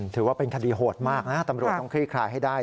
ถือว่าเป็นคดีโหดมากนะตำรวจต้องคลี่คลายให้ได้